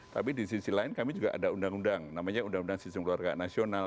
tapi di sisi lain kami juga ada undang undang namanya undang undang sistem keluarga nasional